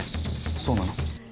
そうなの？